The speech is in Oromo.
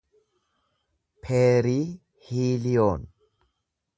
peeriihiiliyoon